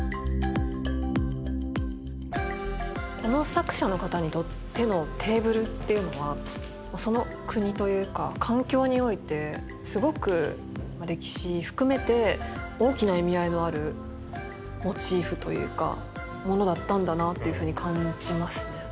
この作者の方にとってのテーブルっていうのはその国というか環境においてすごく歴史含めて大きな意味合いのあるモチーフというかものだったんだなっていうふうに感じますね。